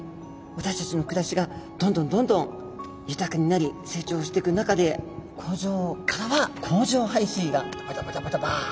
私たちの暮らしがどんどんどんどん豊かになり成長していく中で工場からは工場排水がドバドバドバドバ。